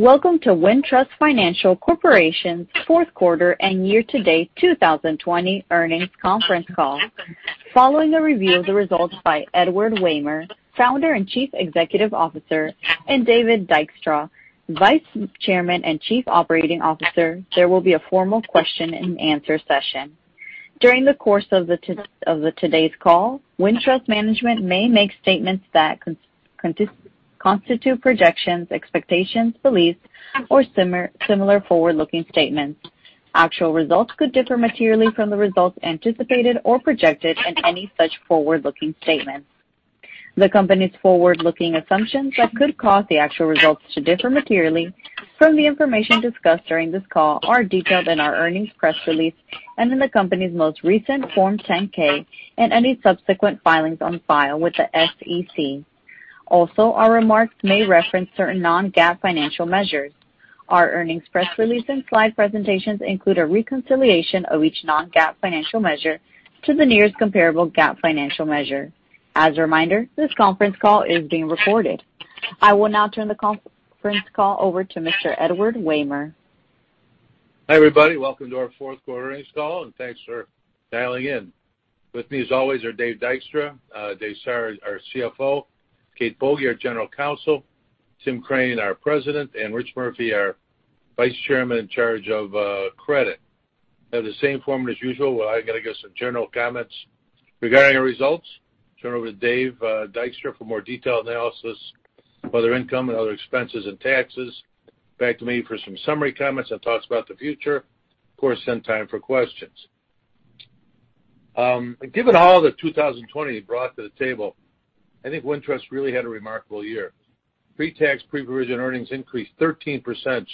Welcome to Wintrust Financial Corporation's fourth quarter and year-to-date 2020 earnings conference call. Following a review of the results by Edward Wehmer, Founder and Chief Executive Officer, and David Dykstra, Vice Chairman and Chief Operating Officer, there will be a formal question and answer session. During the course of today's call, Wintrust management may make statements that constitute projections, expectations, beliefs, or similar forward-looking statements. Actual results could differ materially from the results anticipated or projected in any such forward-looking statements. The company's forward-looking assumptions that could cause the actual results to differ materially from the information discussed during this call are detailed in our earnings press release and in the company's most recent Form 10-K and any subsequent filings on file with the SEC. Our remarks may reference certain non-GAAP financial measures. Our earnings press release and slide presentations include a reconciliation of each non-GAAP financial measure to the nearest comparable GAAP financial measure. As a reminder, this conference call is being recorded. I will now turn the conference call over to Mr. Edward Wehmer. Hi, everybody. Welcome to our fourth quarter earnings call, and thanks for dialing in. With me, as always, are Dave Dykstra. Dave is our CFO. Kate Boege, our General Counsel, Tim Crane, our President, and Rich Murphy, our Vice Chairman in charge of credit. We have the same format as usual, where I give some general comments regarding our results, turn it over to Dave Dykstra for more detailed analysis of other income and other expenses and taxes. Back to me for some summary comments and talks about the future. Of course, time for questions. Given all that 2020 brought to the table, I think Wintrust really had a remarkable year. Pre-tax, pre-provision earnings increased 13%,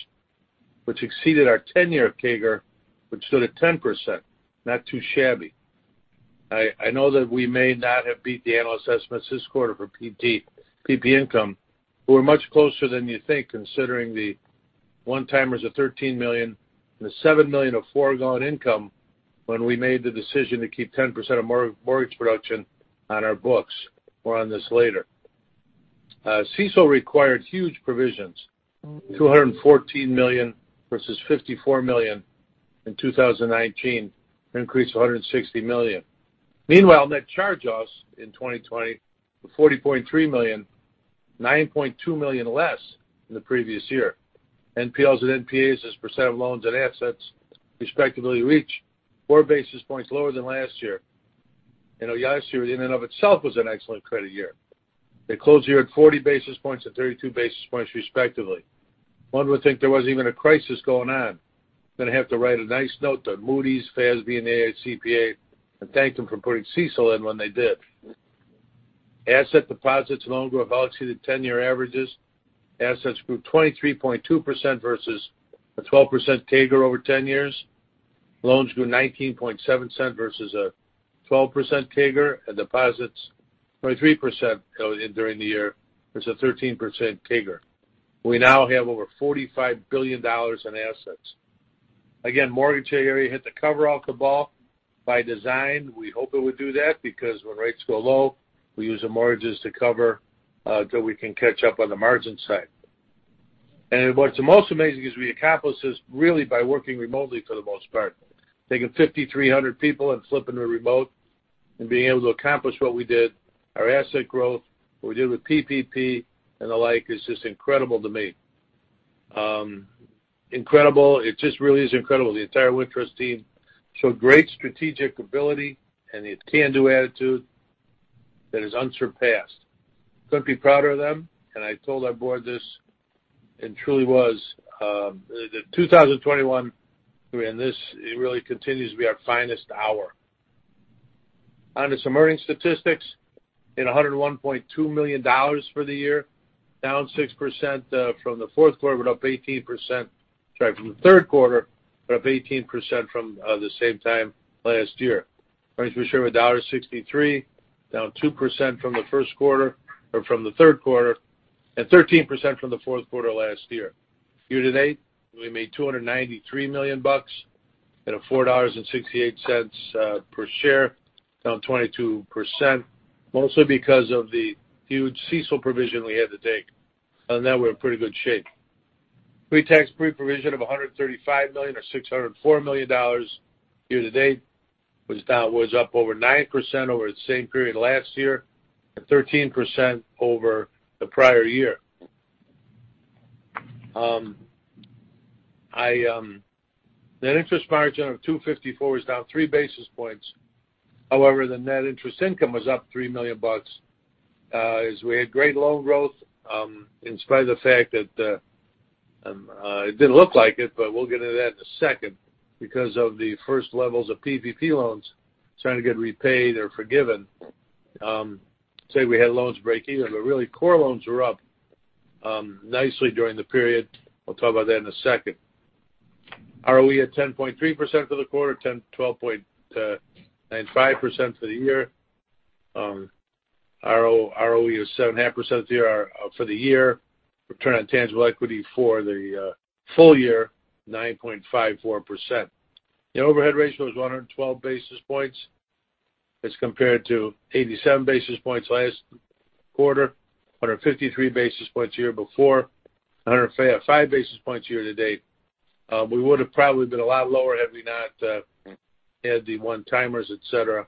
which exceeded our 10-year CAGR, which stood at 10%. Not too shabby. I know that we may not have beat the annual assessments this quarter for PPP income. We're much closer than you think, considering the one-timers of $13 million and the $7 million of foregone income when we made the decision to keep 10% of mortgage production on our books. More on this later. CECL required huge provisions, $214 million versus $54 million in 2019, an increase of $160 million. Meanwhile, net charge-offs in 2020 were $40.3 million, $9.2 million less than the previous year. NPLs and NPAs as a percent of loans and assets, respectively, were each 4 basis points lower than last year. Last year in and of itself was an excellent credit year. They closed the year at 40 basis points and 32 basis points, respectively. One would think there wasn't even a crisis going on. I'm going to have to write a nice note to Moody's, FASB, and AICPA and thank them for putting CECL in when they did. Asset deposits and loan growth exceeded 10-year averages. Assets grew 23.2% versus a 12% CAGR over 10 years. Loans grew 19.7% versus a 12% CAGR, and deposits 23% during the year versus a 13% CAGR. We now have over $45 billion in assets. Mortgage area hit the cover off the ball. By design, we hoped it would do that because when rates go low, we use the mortgages to cover until we can catch up on the margin side. What's most amazing is we accomplished this really by working remotely for the most part. Taking 5,300 people and flipping to remote and being able to accomplish what we did, our asset growth, what we did with PPP and the like is just incredible to me. Incredible. It just really is incredible. The entire Wintrust team showed great strategic ability and a can-do attitude that is unsurpassed. Couldn't be prouder of them, and I told our board this, and truly was. 2021, this really continues to be our finest hour. On to some earnings statistics. $101.2 million for the year, down 6% from the third quarter, but up 18% from the same time last year. Earnings per share of $1.63, down 2% from the first quarter or from the third quarter, and 13% from the fourth quarter last year. Year-to-date, we made $293 million at a $4.68 per share, down 22%, mostly because of the huge CECL provision we had to take. Other than that, we're in pretty good shape. Pre-tax, pre-provision of $135 million or $604 million year-to-date, which was up over 9% over the same period last year and 13% over the prior year. Net interest margin of 254 was down 3 basis points. The net interest income was up $3 million as we had great loan growth in spite of the fact that it didn't look like it, but we'll get into that in a second, because of the first levels of PPP loans starting to get repaid or forgiven. Say we had loans break even, but really core loans were up nicely during the period. We'll talk about that in a second. ROE at 10.3% for the quarter, 12.95% for the year. ROE is 7.5% for the year. Return on tangible equity for the full year, 9.54%. The overhead ratio is 112 basis points. As compared to 87 basis points last quarter, 153 basis points year before, 105 basis points year-to-date. We would've probably been a lot lower had we not had the one-timers, et cetera.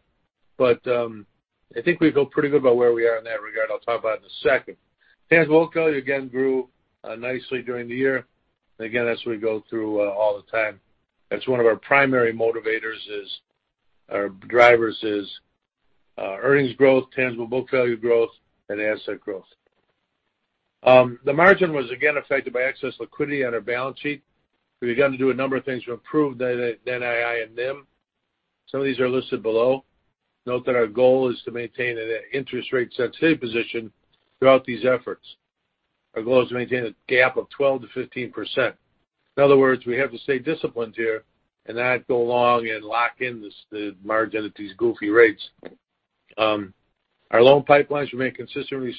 I think we feel pretty good about where we are in that regard. I'll talk about it in a second. Tangible book value, again, grew nicely during the year. Again, as we go through all the time, that's one of our primary drivers is earnings growth, tangible book value growth, and asset growth. The margin was again affected by excess liquidity on our balance sheet. We began to do a number of things to improve the NII and NIM. Some of these are listed below. Note that our goal is to maintain an interest rate sensitivity position throughout these efforts. Our goal is to maintain a gap of 12%-15%. In other words, we have to stay disciplined here and not go along and lock in the margin at these goofy rates. Our loan pipelines remain consistently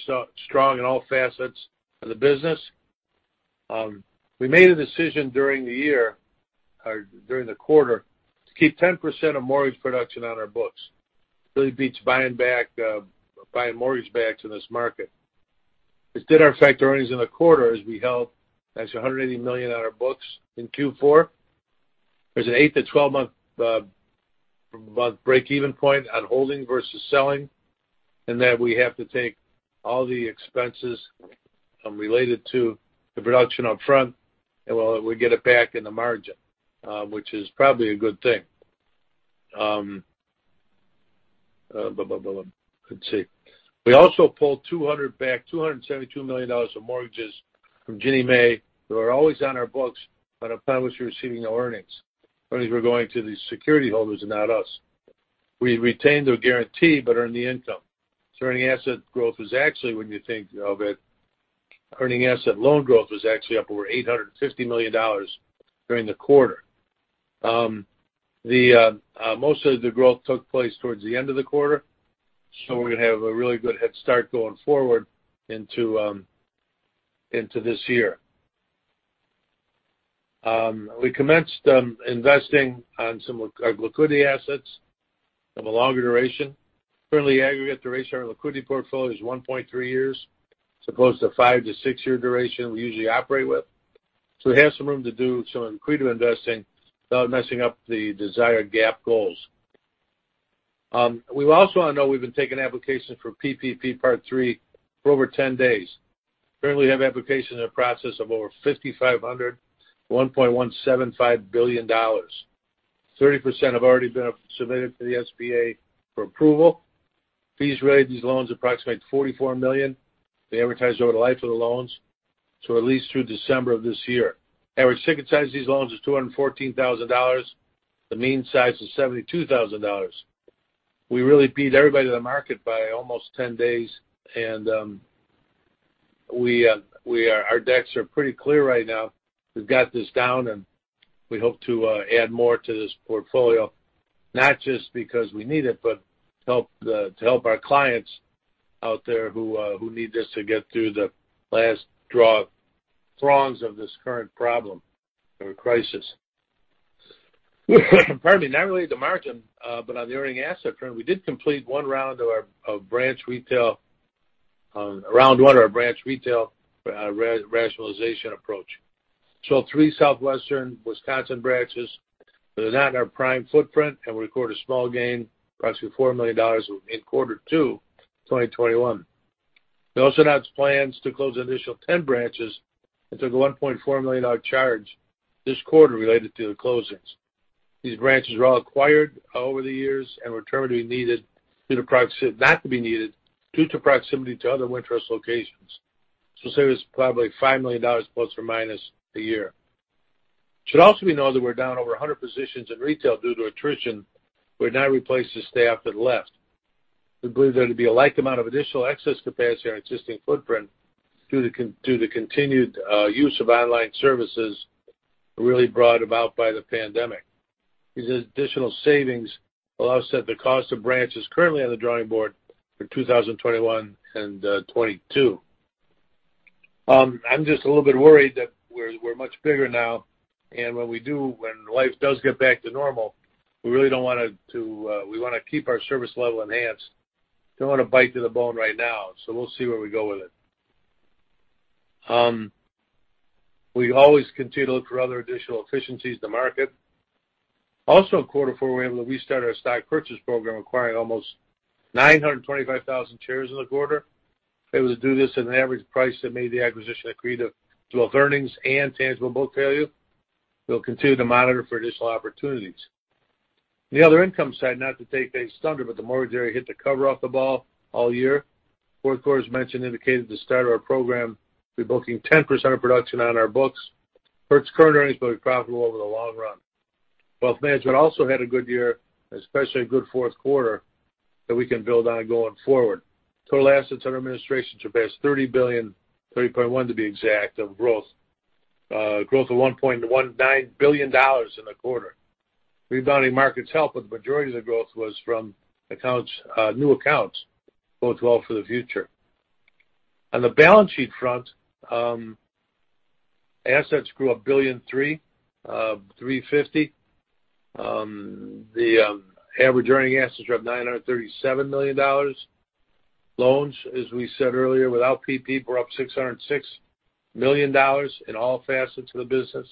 strong in all facets of the business. We made a decision during the year or during the quarter to keep 10% of mortgage production on our books. Really beats buying back, buying mortgage backs in this market. This did affect our earnings in the quarter as we held, I'd say, $180 million on our books in Q4. There's an eight to 12 month breakeven point on holding versus selling, in that we have to take all the expenses related to the production up front, and we'll get it back in the margin, which is probably a good thing. Let's see. We also pulled back $272 million of mortgages from Ginnie Mae, that were always on our books, but upon which we were receiving no earnings. Earnings were going to the security holders and not us. We retained their guarantee, but earn the income. Earning asset growth is actually, when you think of it, earning asset loan growth was actually up over $850 million during the quarter. Most of the growth took place towards the end of the quarter. We're going to have a really good head start going forward into this year. We commenced investing on some of our liquidity assets of a longer duration. Currently, aggregate duration on our liquidity portfolio is 1.3 years, as opposed to five to six year duration we usually operate with. We have some room to do some accretive investing without messing up the desired GAAP goals. We also want to know we've been taking applications for PPP Part III for over 10 days. Currently, we have applications in the process of over 5,500 to $1.175 billion. 30% have already been submitted to the SBA for approval. Fees related to these loans approximate $44 million, they amortize over the life of the loans, so at least through December of this year. Average ticket size of these loans is $214,000. The mean size is $72,000. We really beat everybody to the market by almost 10 days. Our decks are pretty clear right now. We've got this down, and we hope to add more to this portfolio, not just because we need it, but to help our clients out there who need this to get through the last draw prongs of this current problem or crisis. Pardon me. Not related to margin, but on the earning asset front, we did complete round one of our branch retail rationalization approach. Sold three southwestern Wisconsin branches that are not in our prime footprint, and we record a small gain, approximately $4 million in quarter two 2021. We also announced plans to close an additional 10 branches and took a $1.4 million charge this quarter related to the closings. These branches were all acquired over the years and were determined not to be needed due to proximity to other Wintrust locations. This will save us probably $5 million± a year. It should also be known that we're down over 100 positions in retail due to attrition. We're not replacing staff that left. We believe there to be a like amount of additional excess capacity in our existing footprint due to continued use of online services really brought about by the pandemic. These additional savings will offset the cost of branches currently on the drawing board for 2021 and 2022. I'm just a little bit worried that we're much bigger now, and when life does get back to normal, we want to keep our service level enhanced. Don't want to bite to the bone right now, so we'll see where we go with it. We always continue to look for other additional efficiencies in the market. Also, in quarter four, we were able to restart our stock purchase program, acquiring almost 925,000 shares in the quarter. We were able to do this at an average price that made the acquisition accretive to both earnings and tangible book value. We will continue to monitor for additional opportunities. On the other income side, not to take Dave's thunder, but the mortgage area hit the cover off the ball all year. Fourth quarter, as mentioned, indicated the start of our program to be booking 10% of production on our books. Hurts current earnings, but it's profitable over the long run. Wealth management also had a good year, especially a good fourth quarter, that we can build on going forward. Total assets under administration surpassed $30 billion, $30.1 to be exact, of growth. Growth of $1.19 billion in the quarter. Rebounding markets helped, but the majority of the growth was from new accounts. Bodes well for the future. On the balance sheet front. Assets grew $1.3 billion, $350. The average earning assets are up $937 million. Loans, as we said earlier, without PPP, were up $606 million in all facets of the business.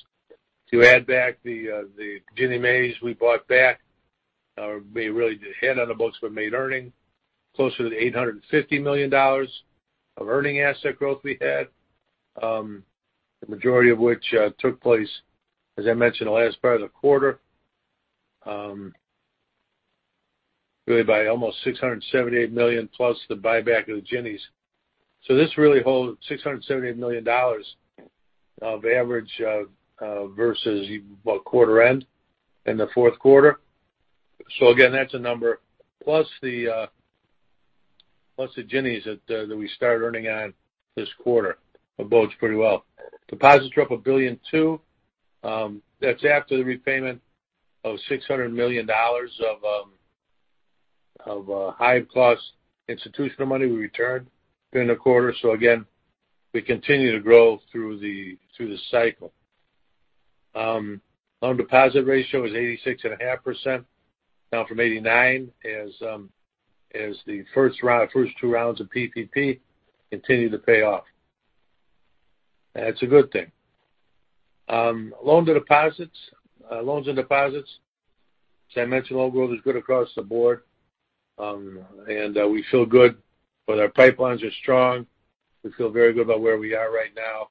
To add back the Ginnie Maes we bought back, or really had on the books but made earning, closer to $850 million of earning asset growth we had. The majority of which took place, as I mentioned, the last part of the quarter. By almost $678 million+ the buyback of the Ginnie Maes. This really holds $678 million of average versus quarter end in the fourth quarter. Again, that's a number. Plus the Ginnie Maes that we started earning on this quarter bodes pretty well. Deposits are up $1.2 billion. That's after the repayment of $600 million of high-cost institutional money we returned during the quarter. Again, we continue to grow through the cycle. Loan deposit ratio is 86.5%, down from 89% as the first two rounds of PPP continue to pay off. That's a good thing. Loans and deposits. As I mentioned, loan growth is good across the board. We feel good, our pipelines are strong. We feel very good about where we are right now.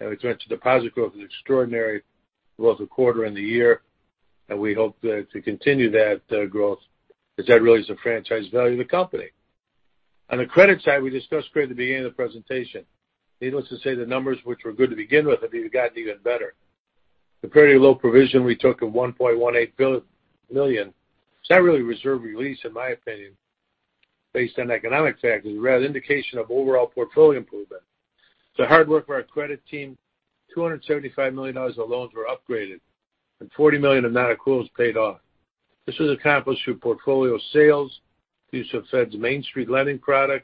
We think the deposit growth is extraordinary, both the quarter and the year. We hope to continue that growth because that really is the franchise value of the company. On the credit side, we discussed right at the beginning of the presentation. Needless to say, the numbers which were good to begin with have even gotten even better. The pretty low provision we took of $1.18 million. It's not really a reserve release, in my opinion, based on economic factors, rather indication of overall portfolio improvement. It's the hard work of our credit team. $275 million of loans were upgraded and $40 million of nonaccruals paid off. This was accomplished through portfolio sales, the use of Fed's Main Street Lending Program,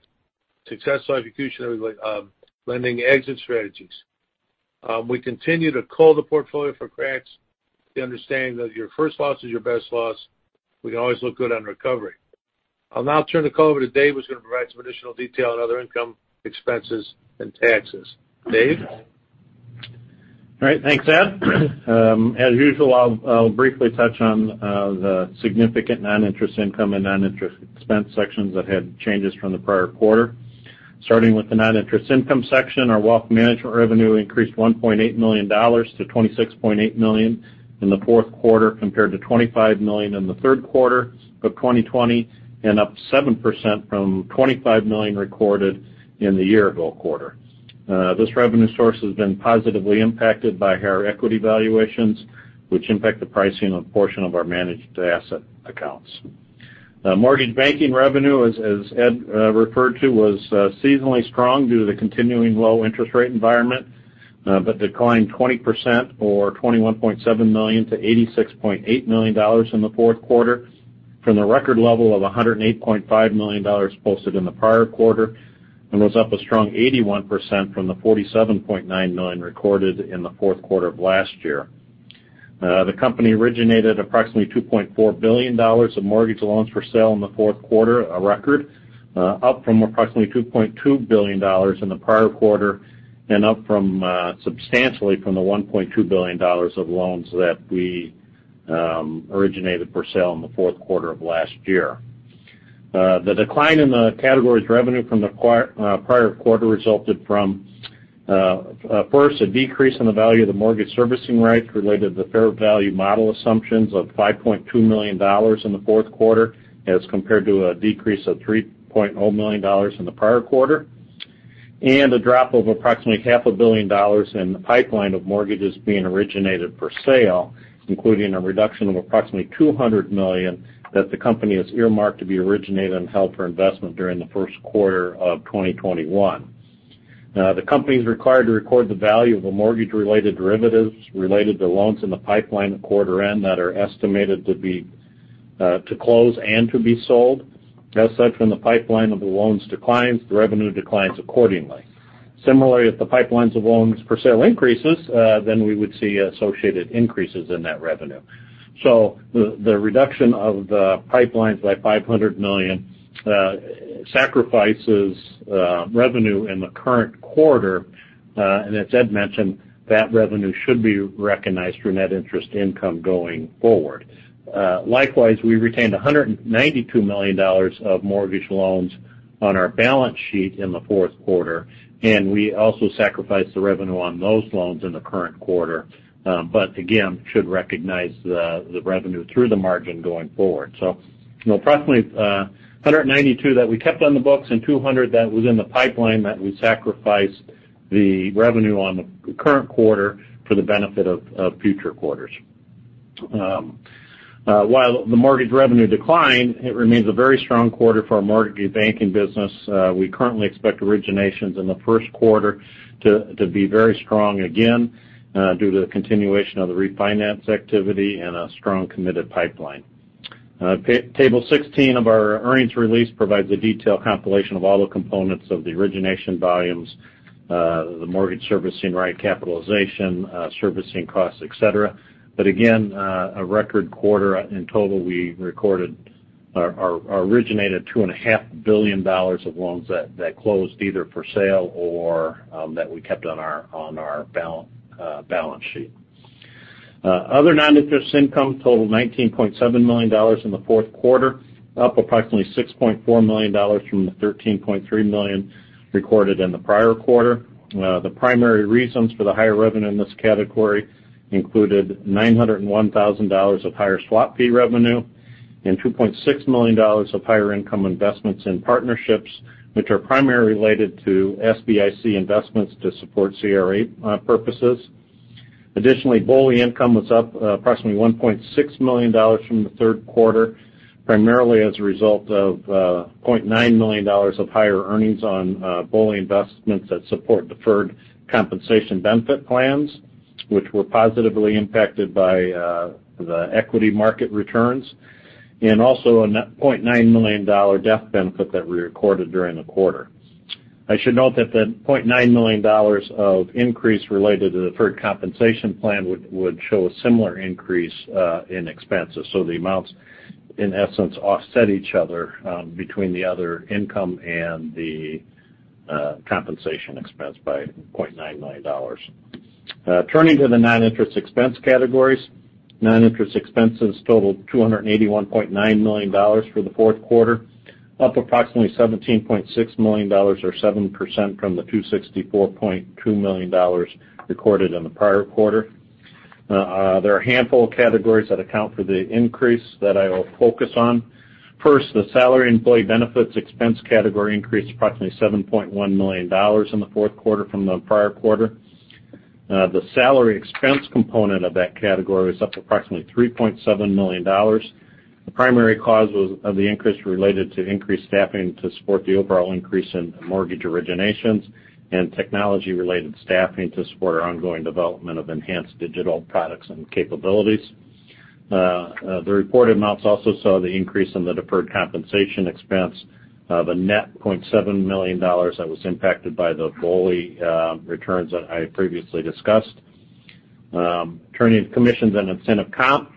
successful execution of lending exit strategies. We continue to cull the portfolio for cracks to understand that your first loss is your best loss. We can always look good on recovery. I'll now turn the call over to Dave, who's going to provide some additional detail on other income, expenses, and taxes. Dave? All right. Thanks, Ed. As usual, I'll briefly touch on the significant non-interest income and non-interest expense sections that had changes from the prior quarter. Starting with the non-interest income section, our wealth management revenue increased $1.8 million to $26.8 million in the fourth quarter, compared to $25 million in the third quarter of 2020, and up 7% from $25 million recorded in the year-ago quarter. This revenue source has been positively impacted by higher equity valuations, which impact the pricing of a portion of our managed asset accounts. Mortgage banking revenue, as Ed referred to, was seasonally strong due to the continuing low interest rate environment, but declined 20%, or $21.7 million, to $86.8 million in the fourth quarter from the record level of $108.5 million posted in the prior quarter and was up a strong 81% from the $47.9 million recorded in the fourth quarter of last year. The company originated approximately $2.4 billion of mortgage loans for sale in the fourth quarter, a record, up from approximately $2.2 billion in the prior quarter and up substantially from the $1.2 billion of loans that we originated for sale in the fourth quarter of last year. The decline in the category's revenue from the prior quarter resulted from, first, a decrease in the value of the mortgage servicing rights related to the fair value model assumptions of $5.2 million in the fourth quarter as compared to a decrease of $3.0 million in the prior quarter, and a drop of approximately $500 million in the pipeline of mortgages being originated for sale, including a reduction of approximately $200 million that the company has earmarked to be originated and held for investment during the first quarter of 2021. The company's required to record the value of the mortgage-related derivatives related to loans in the pipeline at quarter end that are estimated to close and to be sold. As such, when the pipeline of the loans declines, the revenue declines accordingly. Similarly, if the pipelines of loans for sale increases, then we would see associated increases in that revenue. The reduction of the pipelines by $500 million sacrifices revenue in the current quarter. As Ed mentioned, that revenue should be recognized through net interest income going forward. Likewise, we retained $192 million of mortgage loans on our balance sheet in the fourth quarter, and we also sacrificed the revenue on those loans in the current quarter. Again, should recognize the revenue through the margin going forward. Approximately $192 million that we kept on the books and $200 million that was in the pipeline that we sacrificed the revenue on the current quarter for the benefit of future quarters. While the mortgage revenue declined, it remains a very strong quarter for our mortgage banking business. We currently expect originations in the first quarter to be very strong again due to the continuation of the refinance activity and a strong committed pipeline. Table 16 of our earnings release provides a detailed compilation of all the components of the origination volumes, the mortgage servicing, right capitalization, servicing costs, et cetera. Again, a record quarter. In total, we originated $2.5 billion of loans that closed either for sale or that we kept on our balance sheet. Other non-interest income totaled $19.7 million in the fourth quarter, up approximately $6.4 million from the $13.3 million recorded in the prior quarter. The primary reasons for the higher revenue in this category included $901,000 of higher swap fee revenue and $2.6 million of higher income investments in partnerships, which are primarily related to SBIC investments to support CRA purposes. Additionally, BOLI income was up approximately $1.6 million from the third quarter, primarily as a result of $0.9 million of higher earnings on BOLI investments that support deferred compensation benefit plans, which were positively impacted by the equity market returns, and also a $0.9 million death benefit that we recorded during the quarter. I should note that the $0.9 million of increase related to the deferred compensation plan would show a similar increase in expenses. The amounts, in essence, offset each other between the other income and the compensation expense by $0.9 million. Turning to the non-interest expense categories. Non-interest expenses totaled $281.9 million for the fourth quarter, up approximately $17.6 million or 7% from the $264.2 million recorded in the prior quarter. There are a handful of categories that account for the increase that I will focus on. First, the salary employee benefits expense category increased approximately $7.1 million in the fourth quarter from the prior quarter. The salary expense component of that category was up approximately $3.7 million. The primary cause of the increase related to increased staffing to support the overall increase in mortgage originations and technology-related staffing to support our ongoing development of enhanced digital products and capabilities. The reported amounts also saw the increase in the deferred compensation expense of a net $0.7 million that was impacted by the BOLI returns that I previously discussed. Turning to commissions and incentive comp.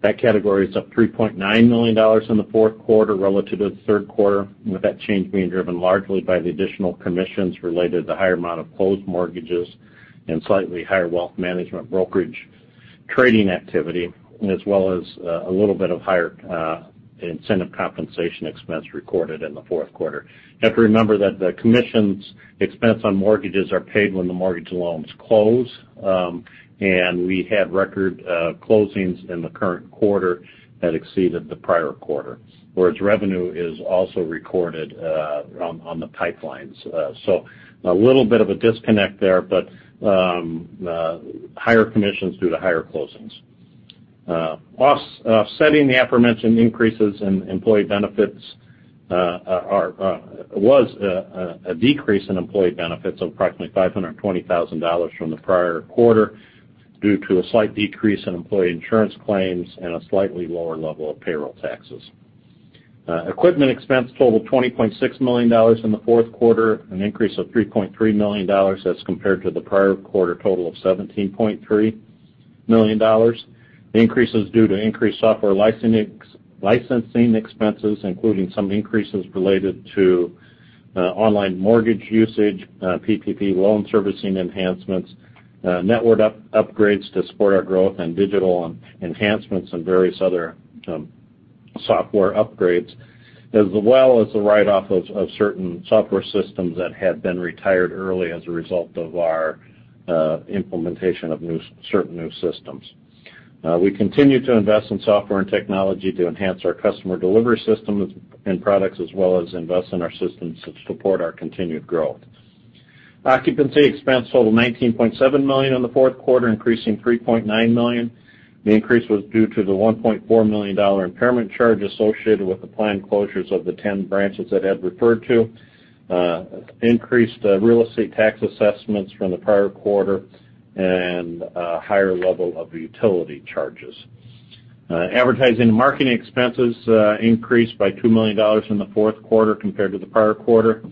That category is up $3.9 million in the fourth quarter relative to the third quarter, with that change being driven largely by the additional commissions related to higher amount of closed mortgages and slightly higher wealth management brokerage trading activity, as well as a little bit of higher incentive compensation expense recorded in the fourth quarter. You have to remember that the commissions expense on mortgages are paid when the mortgage loans close. We had record closings in the current quarter that exceeded the prior quarter, whereas revenue is also recorded on the pipelines. A little bit of a disconnect there, higher commissions due to higher closings. Offsetting the aforementioned increases in employee benefits was a decrease in employee benefits of approximately $520,000 from the prior quarter due to a slight decrease in employee insurance claims and a slightly lower level of payroll taxes. Equipment expense totaled $20.6 million in the fourth quarter, an increase of $3.3 million as compared to the prior quarter total of $17.3 million. The increase is due to increased software licensing expenses, including some increases related to online mortgage usage, PPP loan servicing enhancements, network upgrades to support our growth and digital enhancements, and various other software upgrades, as well as the write-off of certain software systems that had been retired early as a result of our implementation of certain new systems. We continue to invest in software and technology to enhance our customer delivery systems and products, as well as invest in our systems that support our continued growth. Occupancy expense totaled $19.7 million in the fourth quarter, increasing $3.9 million. The increase was due to the $1.4 million impairment charge associated with the planned closures of the 10 branches that Ed referred to, increased real estate tax assessments from the prior quarter, and a higher level of utility charges. Advertising and marketing expenses increased by $2 million in the fourth quarter compared to the prior quarter.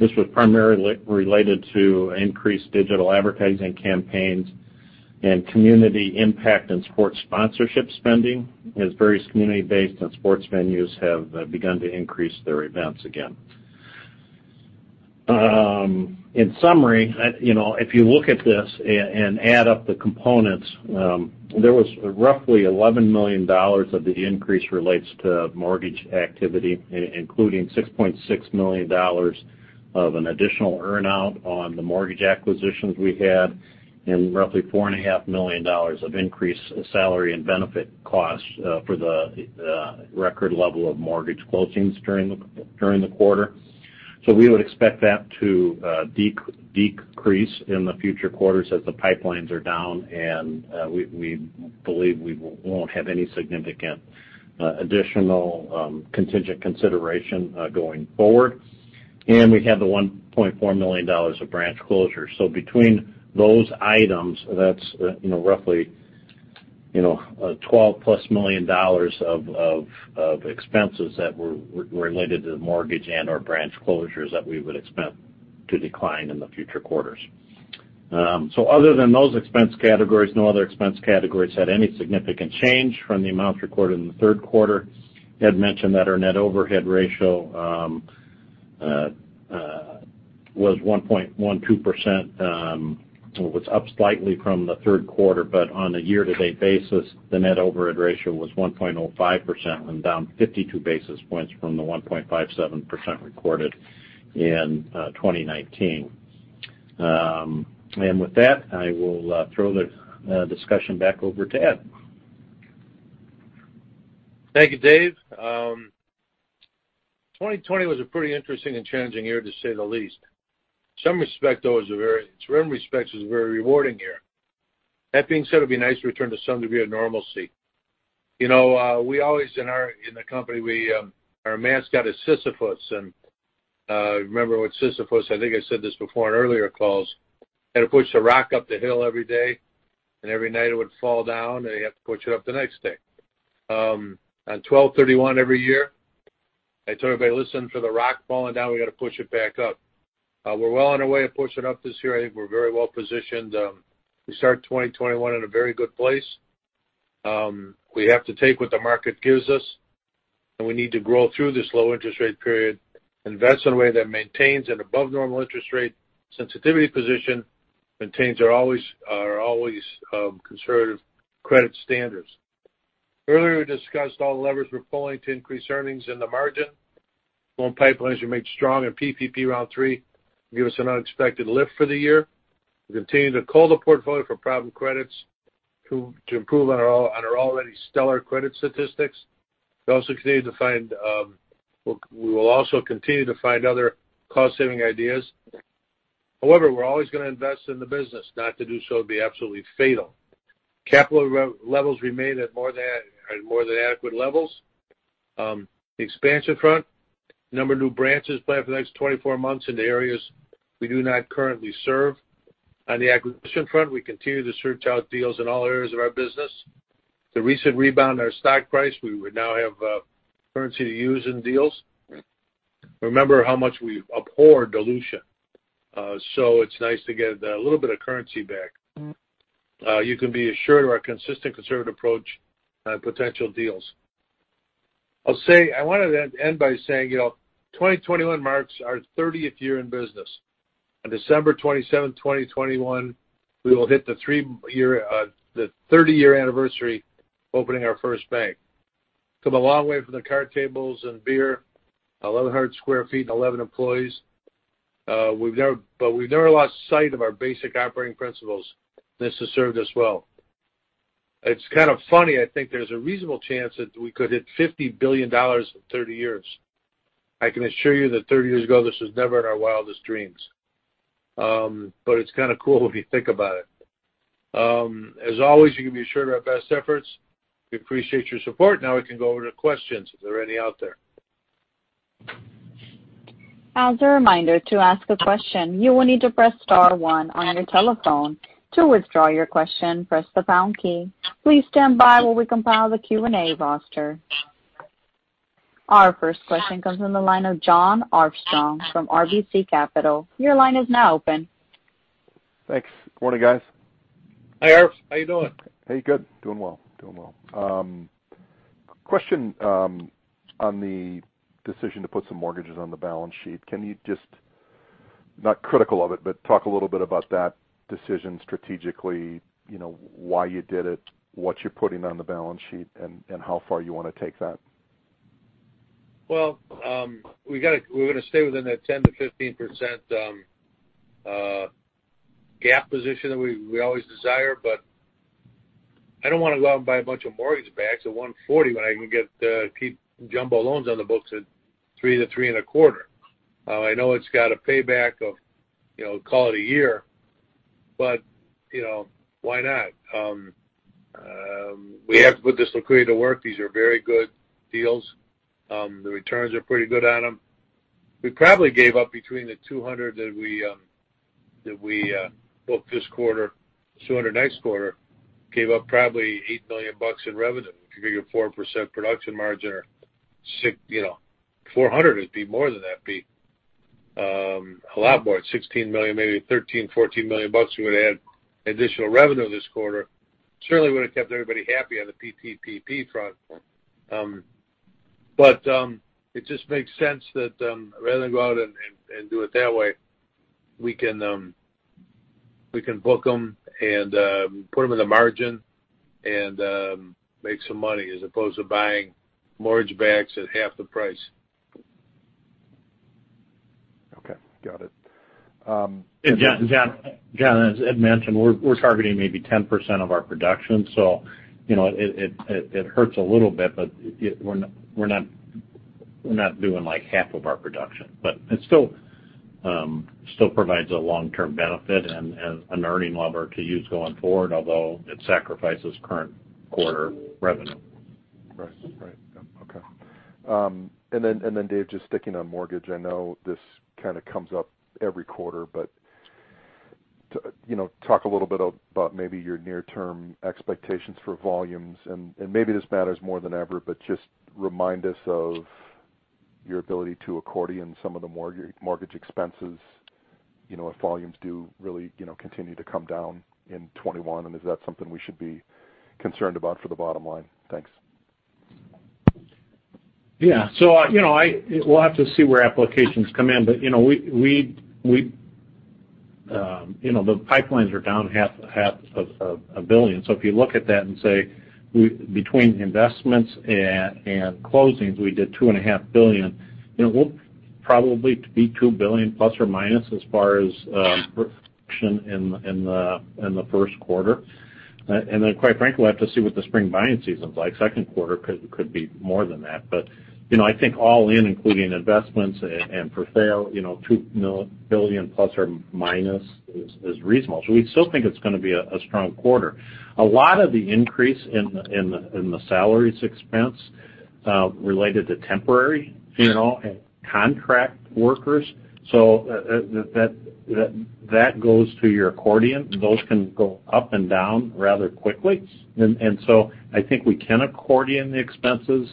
This was primarily related to increased digital advertising campaigns and community impact and sports sponsorship spending, as various community-based and sports venues have begun to increase their events again. In summary, if you look at this and add up the components, there was roughly $11 million of the increase relates to mortgage activity, including $6.6 million of an additional earn-out on the mortgage acquisitions we had and roughly $4.5 million of increased salary and benefit costs for the record level of mortgage closings during the quarter. We would expect that to decrease in the future quarters as the pipelines are down, and we believe we won't have any significant additional contingent consideration going forward. We had the $1.4 million of branch closures. Between those items, that's roughly a $12+ million of expenses that were related to the mortgage and/or branch closures that we would expect to decline in the future quarters. Other than those expense categories, no other expense categories had any significant change from the amounts recorded in the third quarter. Ed mentioned that our net overhead ratio was 1.12%, was up slightly from the third quarter. On a year-to-date basis, the net overhead ratio was 1.05%, down 52 basis points from the 1.57% recorded in 2019. With that, I will throw the discussion back over to Ed. Thank you, Dave. 2020 was a pretty interesting and challenging year to say the least. In some respects, it was a very rewarding year. That being said, it'd be nice to return to some degree of normalcy. We always, in the company, our mascot is Sisyphus. Remember with Sisyphus, I think I said this before in earlier calls, had to push the rock up the hill every day, and every night it would fall down, and he'd have to push it up the next day. On 12/31 every year, I tell everybody, listen for the rock falling down, we've got to push it back up. We're well on our way of pushing up this year. I think we're very well-positioned to start 2021 in a very good place. We have to take what the market gives us, and we need to grow through this low interest rate period, invest in a way that maintains an above normal interest rate sensitivity position, maintains our always conservative credit standards. Earlier, we discussed all the levers we're pulling to increase earnings in the margin. Loan pipelines remain strong and PPP Round 3 gave us an unexpected lift for the year. We continue to cull the portfolio for problem credits to improve on our already stellar credit statistics. We will also continue to find other cost-saving ideas. However, we're always going to invest in the business. Not to do so would be absolutely fatal. Capital levels remain at more than adequate levels. The expansion front, number of new branches planned for the next 24 months in the areas we do not currently serve. On the acquisition front, we continue to search out deals in all areas of our business. The recent rebound in our stock price. We would now have currency to use in deals. Remember how much we abhor dilution. It's nice to get a little bit of currency back. You can be assured of our consistent conservative approach on potential deals. I want to end by saying, 2021 marks our 30th year in business. On December 27th, 2021, we will hit the 30-year anniversary opening our first bank. We have come a long way from the card tables and beer, 1,100 sq ft and 11 employees. We've never lost sight of our basic operating principles. This has served us well. It's kind of funny. I think there's a reasonable chance that we could hit $50 billion in 30 years. I can assure you that 30 years ago, this was never in our wildest dreams. It's kind of cool if you think about it. As always, you can be assured of our best efforts. We appreciate your support. We can go over to questions if there are any out there. As a reminder, to ask a question, you will need to press star one on your telephone. To withdraw your question, press the pound key. Please stand by while we compile the Q&A roster. Our first question comes from the line of Jon Arfstrom from RBC Capital. Your line is now open. Thanks. Morning, guys. Hi, Arf. How you doing? Hey, good. Doing well. Question on the decision to put some mortgages on the balance sheet. Can you just, not critical of it, but talk a little bit about that decision strategically, why you did it, what you're putting on the balance sheet, and how far you want to take that? Well, we're going to stay within that 10%-15% gap position that we always desire, but I don't want to go out and buy a bunch of mortgage backs at $140 when I can keep jumbo loans on the books at three to three and a quarter. I know it's got a payback of call it a year, but why not? We have to put this liquidity to work. These are very good deals. The returns are pretty good on them. We probably gave up between the 200 that we booked this quarter, 200 next quarter, gave up probably $8 million in revenue. If you figure 4% production margin, $400 would be more than that. Be a lot more. $16 million, maybe $13 million, $14 million we would've had additional revenue this quarter. Certainly would've kept everybody happy on the PTPP growth. It just makes sense that rather than go out and do it that way, we can book them and put them in the margin and make some money as opposed to buying mortgage backs at half the price. Okay. Got it. Jon, as Ed mentioned, we're targeting maybe 10% of our production, so it hurts a little bit, but we're not doing half of our production. It still provides a long-term benefit and an earning lever to use going forward, although it sacrifices current quarter revenue. Right. Yeah. Okay. Dave, just sticking on mortgage, I know this kind of comes up every quarter, but talk a little bit about maybe your near-term expectations for volumes and maybe this matters more than ever, but just remind us of your ability to accordion some of the mortgage expenses if volumes do really continue to come down in 2021. Is that something we should be concerned about for the bottom line? Thanks. Yeah. We'll have to see where applications come in. The pipelines are down $0.5 billion. If you look at that and say between investments and closings, we did $2.5 billion. We'll probably be ±$2 billion as far as production in the first quarter. Quite frankly, we'll have to see what the spring buying season's like. Second quarter could be more than that. I think all in, including investments and for sale, ±$2 billion is reasonable. We still think it's going to be a strong quarter. A lot of the increase in the salaries expense related to temporary and contract workers. That goes to your accordion. Those can go up and down rather quickly. I think we can accordion the expenses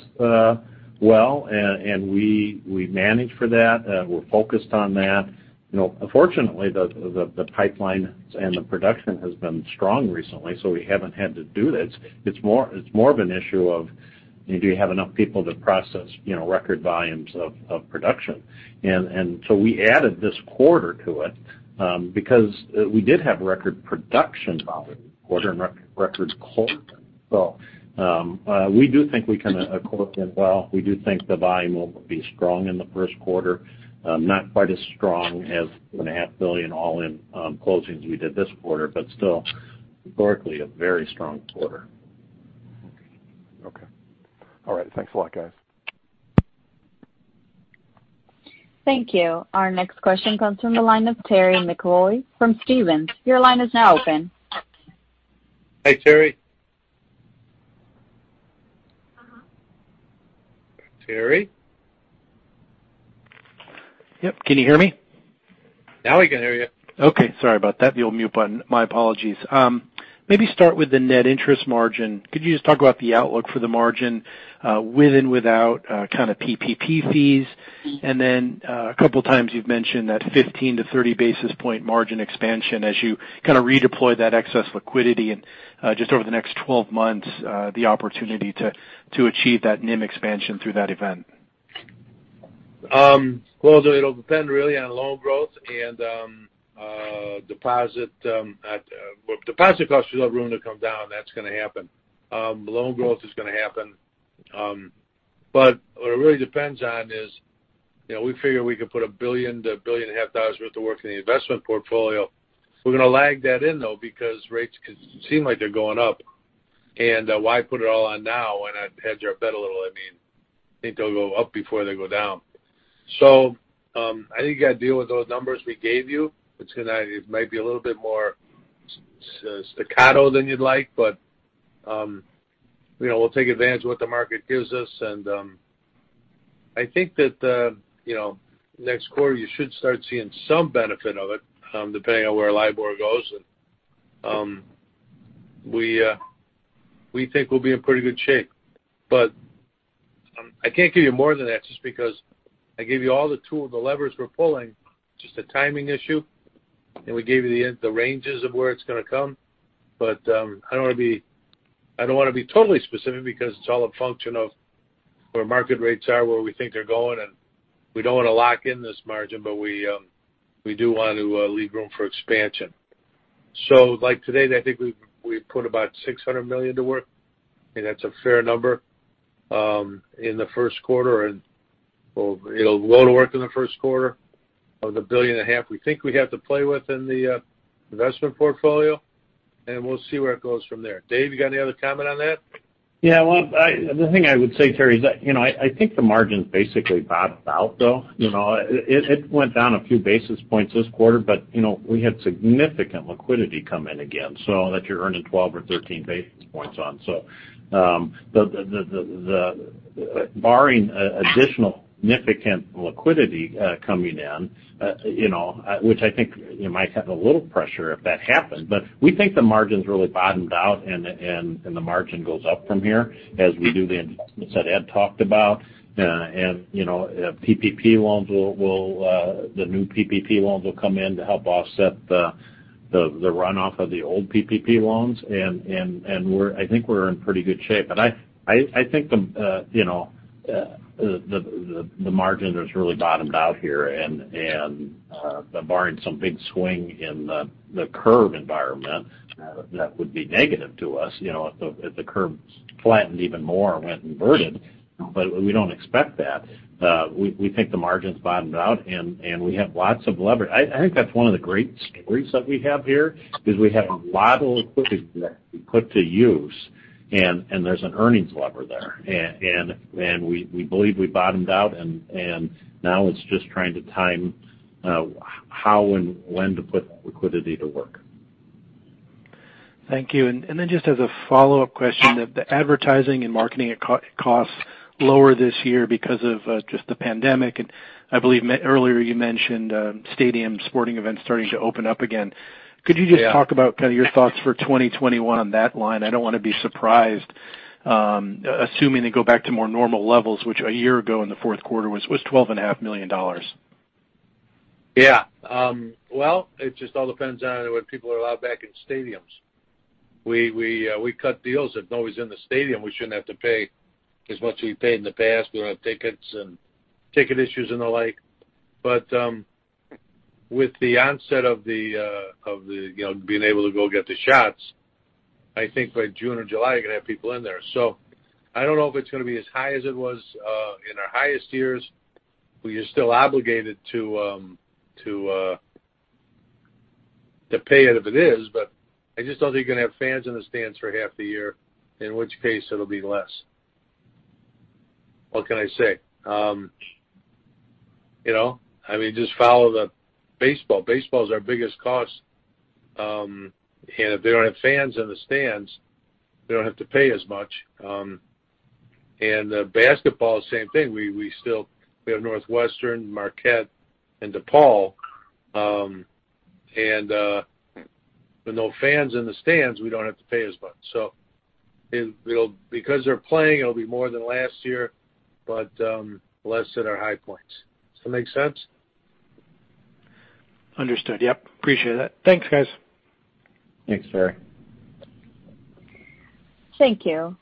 well, and we manage for that. We're focused on that. Fortunately, the pipeline and the production has been strong recently, so we haven't had to do this. It's more of an issue of, do you have enough people to process record volumes of production? We added this quarter to it because we did have record production volume quarter and record quarter. We do think we can accordion well. We do think the volume will be strong in the first quarter. Not quite as strong as $1.5 billion all in closings we did this quarter, but still, historically, a very strong quarter. Okay. All right. Thanks a lot, guys. Thank you. Our next question comes from the line of Terry McEvoy from Stephens. Your line is now open. Hey, Terry. Terry? Yep. Can you hear me? Now we can hear you. Okay. Sorry about that. The old mute button. My apologies. Start with the net interest margin. Could you just talk about the outlook for the margin with and without kind of PPP fees? A couple of times you've mentioned that 15 basis point-30 basis point margin expansion as you kind of redeploy that excess liquidity and just over the next 12 months, the opportunity to achieve that NIM expansion through that event. Well, it'll depend really on loan growth and deposit. Deposit costs are still at room to come down. That's going to happen. Loan growth is going to happen. What it really depends on is, we figure we could put $1 billion-$1.5 billion worth of work in the investment portfolio. We're going to lag that in, though, because rates seem like they're going up. Why put it all on now when I've hedged our bet a little? I think they'll go up before they go down. I think you got to deal with those numbers we gave you. It might be a little bit more staccato than you'd like, but we'll take advantage of what the market gives us. I think that the next quarter, you should start seeing some benefit of it, depending on where LIBOR goes. We think we'll be in pretty good shape. I can't give you more than that just because I gave you all the tools, the levers we're pulling, just a timing issue, and we gave you the ranges of where it's going to come. I don't want to be totally specific because it's all a function of where market rates are, where we think they're going, and we don't want to lock in this margin, but we do want to leave room for expansion. Like today, I think we've put about $600 million to work, I think that's a fair number, in the first quarter. It'll go to work in the first quarter of the $1.5 billion we think we have to play with in the investment portfolio, and we'll see where it goes from there. Dave, you got any other comment on that? Yeah. The thing I would say, Terry, is that I think the margin's basically bottomed out, though. It went down a few basis points this quarter, but we had significant liquidity come in again. That you're earning 12 basis points or 13 basis points on. Barring additional significant liquidity coming in, which I think you might have a little pressure if that happens. We think the margin's really bottomed out and the margin goes up from here as we do the investments that Ed talked about. The new PPP loans will come in to help offset the runoff of the old PPP loans. I think we're in pretty good shape. I think the margin has really bottomed out here. Barring some big swing in the curve environment that would be negative to us, if the curve flattened even more or went inverted, but we don't expect that. We think the margin's bottomed out, and we have lots of leverage. I think that's one of the great stories that we have here, because we have a lot of liquidity that can be put to use, and there's an earnings lever there. We believe we bottomed out, and now it's just trying to time how and when to put that liquidity to work. Thank you. Then just as a follow-up question, the advertising and marketing costs lower this year because of just the pandemic, and I believe earlier you mentioned stadium sporting events starting to open up again. Yeah. Could you just talk about your thoughts for 2021 on that line? I don't want to be surprised, assuming they go back to more normal levels, which a year ago in the fourth quarter was $12.5 million. Yeah. Well, it just all depends on when people are allowed back in stadiums. We cut deals. If nobody's in the stadium, we shouldn't have to pay as much as we paid in the past. We don't have tickets and ticket issues and the like. I think by June or July, you're going to have people in there. I don't know if it's going to be as high as it was in our highest years. We are still obligated to pay it if it is, but I just don't think you're going to have fans in the stands for half the year, in which case it'll be less. What can I say? I mean, just follow the baseball. Baseball's our biggest cost. If they don't have fans in the stands, they don't have to pay as much. Basketball, same thing. We have Northwestern, Marquette, and DePaul. With no fans in the stands, we don't have to pay as much. Because they're playing, it'll be more than last year, but less than our high points. Does that make sense? Understood. Yep. Appreciate it. Thanks, guys. Thanks, Terry. Thank you.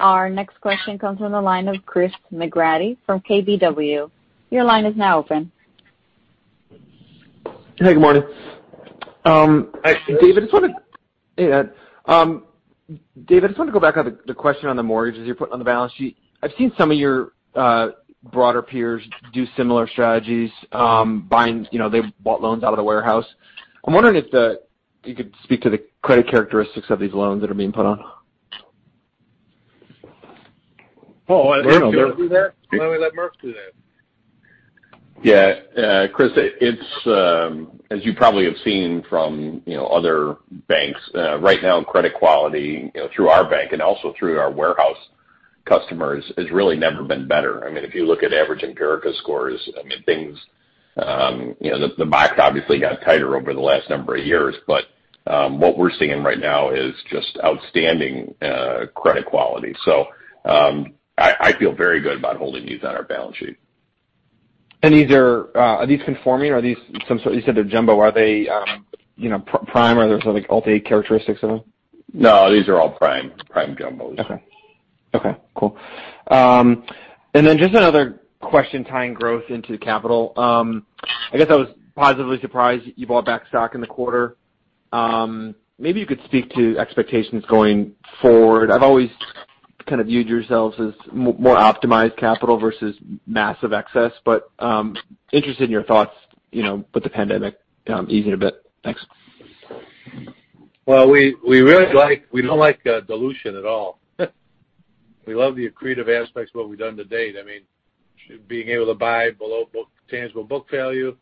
Our next question comes from the line of Chris McGratty from KBW. Hey, good morning. Chris. Hey, Ed. David, I just wanted to go back on the question on the mortgages you're putting on the balance sheet. I've seen some of your broader peers do similar strategies. They've bought loans out of the warehouse. I'm wondering if you could speak to the credit characteristics of these loans that are being put on. Paul, why don't you do that? Why don't we let Murph do that? Yeah. Chris, as you probably have seen from other banks, right now, credit quality through our bank and also through our warehouse customers has really never been better. If you look at average Empirica scores, the box obviously got tighter over the last number of years, but what we're seeing right now is just outstanding credit quality. I feel very good about holding these on our balance sheet. Are these conforming? You said they're jumbo. Are they prime? Are there Alt-A characteristics of them? No, these are all prime jumbos. Okay. Cool. Just another question tying growth into capital. I guess I was positively surprised you bought back stock in the quarter. Maybe you could speak to expectations going forward. I've always kind of viewed yourselves as more optimized capital versus massive excess, but interested in your thoughts with the pandemic easing a bit. Thanks. Well, we don't like dilution at all. We love the accretive aspects of what we've done to date. Being able to buy below tangible book value,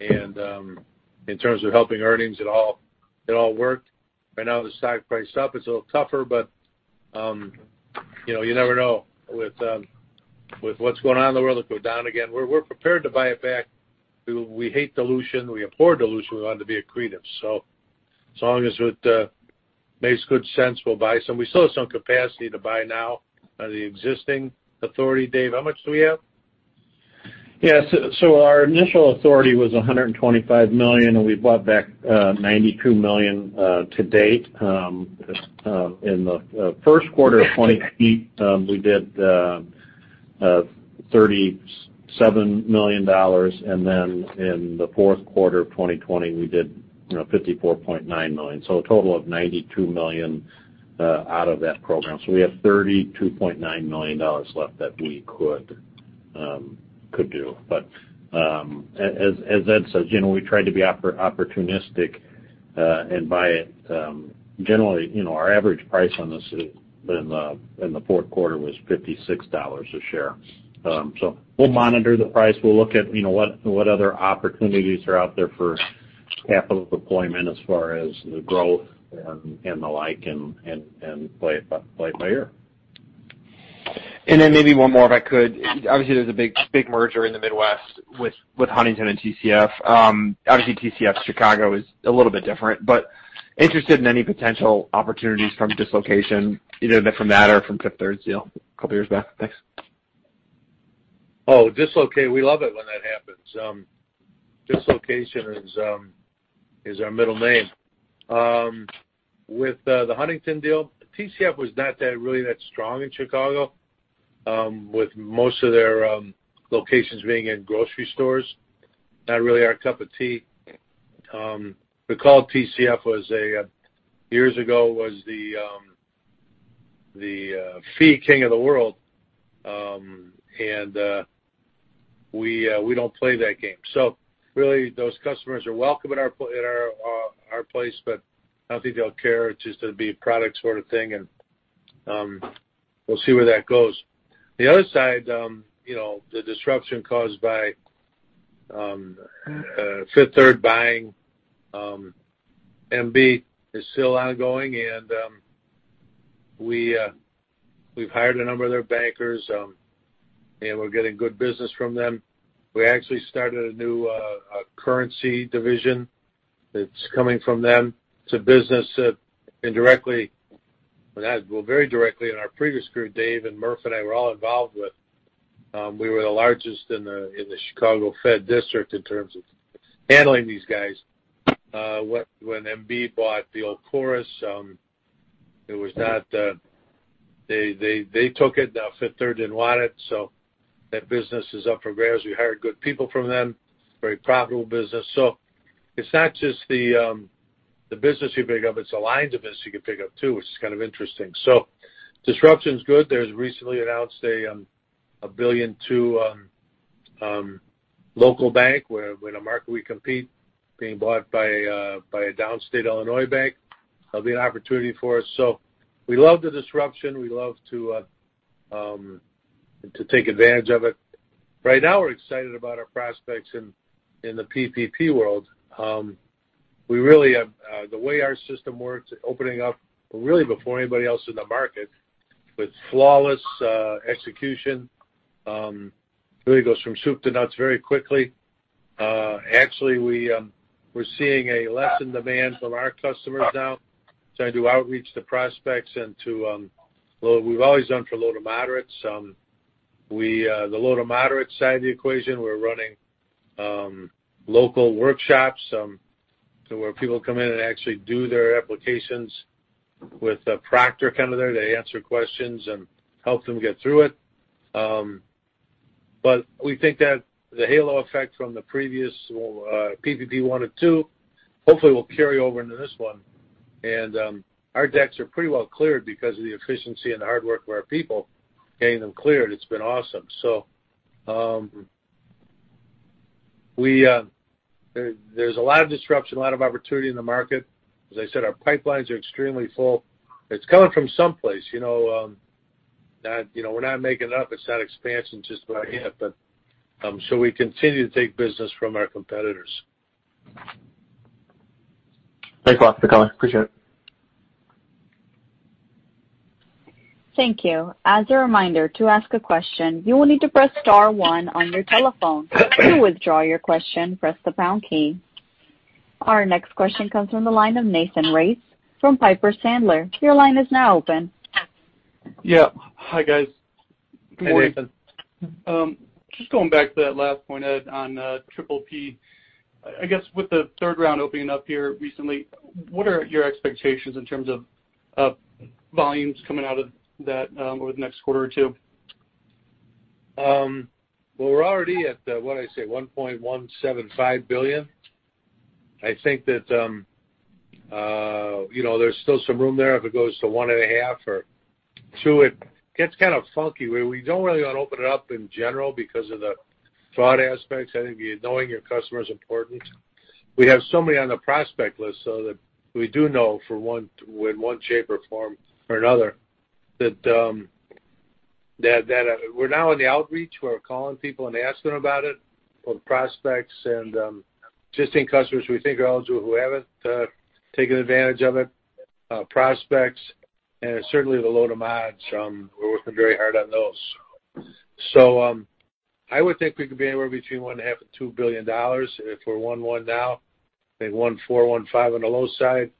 and in terms of helping earnings, it all worked. Right now, the stock price is up. It's a little tougher, but you never know with what's going on in the world. It could go down again. We're prepared to buy it back. We hate dilution. We abhor dilution. We want to be accretive. As long as it makes good sense, we'll buy some. We still have some capacity to buy now by the existing authority. Dave, how much do we have? Yeah. Our initial authority was $125 million, and we've bought back $92 million to date. In the first quarter of 2020, we did $37 million, and then in the fourth quarter of 2020, we did $54.9 million. A total of $92 million out of that program. We have $32.9 million left that we could do. As Ed says, generally, we try to be opportunistic and buy it. Generally, our average price on this in the fourth quarter was $56 a share. We'll monitor the price. We'll look at what other opportunities are out there for capital deployment as far as the growth and the like, and play it by ear. Maybe one more, if I could. Obviously, there's a big merger in the Midwest with Huntington and TCF. Obviously, TCF Chicago is a little bit different, but interested in any potential opportunities from dislocation, either from that or from Fifth Third's deal a couple of years back. Thanks. Dislocate. We love it when that happens. Dislocation is our middle name. With the Huntington deal, TCF was not really that strong in Chicago, with most of their locations being in grocery stores. Not really our cup of tea. Recall, TCF, years ago, was the fee king of the world. We don't play that game. Really, those customers are welcome in our place. I don't think they'll care. It's just going to be a product sort of thing. We'll see where that goes. The other side, the disruption caused by Fifth Third buying MB is still ongoing. We've hired a number of their bankers. We're getting good business from them. We actually started a new currency division that's coming from them. It's a business that indirectly, well, very directly in our previous group, Dave and Murph and I were all involved with. We were the largest in the Chicago Fed District in terms of handling these guys. When MB bought the, of course, they took it, Fifth Third didn't want it, that business is up for grabs. We hired good people from them, very profitable business. It's not just the business you pick up, it's the line of business you can pick up too, which is kind of interesting. Disruption's good. There's recently announced a $1 billion local bank where in a market we compete being bought by a downstate Illinois bank. That'll be an opportunity for us. We love the disruption. We love to take advantage of it. Right now, we're excited about our prospects in the PPP world. The way our system works, opening up really before anybody else in the market with flawless execution. Really goes from soup to nuts very quickly. Actually, we're seeing a lessened demand from our customers now, trying to do outreach to prospects. We've always done for low to moderate. The low to moderate side of the equation, we're running local workshops, to where people come in and actually do their applications with a proctor kind of there. They answer questions and help them get through it. We think that the halo effect from the previous PPP 1 and 2, hopefully, will carry over into this one. Our decks are pretty well cleared because of the efficiency and the hard work of our people getting them cleared. It's been awesome. There's a lot of disruption, a lot of opportunity in the market. As I said, our pipelines are extremely full. It's coming from someplace. We're not making it up. It's not expansion just by happen. We continue to take business from our competitors. Thanks a lot for the color. Appreciate it. Thank you. As a reminder, to ask a question, you will need to press star one on your telephone. To withdraw your question, press the pound key. Our next question comes from the line of Nathan Race from Piper Sandler. Your line is now open. Yeah. Hi, guys. Good morning. Hey, Nathan. Just going back to that last point, Ed, on PPP. I guess with the third round opening up here recently, what are your expectations in terms of volumes coming out of that over the next quarter or two? Well, we're already at, what did I say? $1.175 billion. I think that there's still some room there if it goes to $1.5 billion or $2 billion. It gets kind of funky where we don't really want to open it up in general because of the fraud aspects. I think knowing your customer is important. We have so many on the prospect list so that we do know in one shape or form or another. We're now in the outreach. We're calling people and asking them about it, both prospects and existing customers who we think are eligible who haven't taken advantage of it. Prospects, and certainly the low to mods. We're working very hard on those. I would think we could be anywhere between $1.5 billion and $2 billion. If we're $1.1 billion now, I think $1.4 billion, $1.5 billion on the low side,